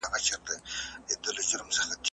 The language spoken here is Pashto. تاسو به د خپل هېواد استازيتوب وکړئ.